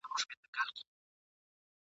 د ښکاري او د مېرمني ورته پام سو ..